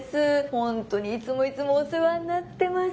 本当にいつもいつもお世話になってます。